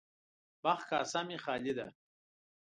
بخت کاسه مې خالي ده.